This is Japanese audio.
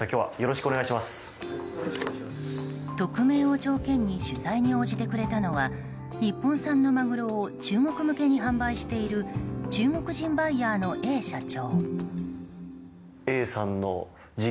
匿名を条件に取材に応じてくれたのは日本産のマグロを中国向けに販売している中国人バイヤーのＡ社長。